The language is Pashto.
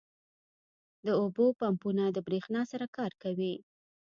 • د اوبو پمپونه د برېښنا سره کار کوي.